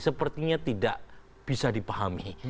sepertinya tidak bisa dipahami